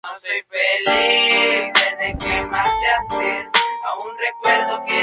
Es el seleccionador de la selección de fútbol de Lituania.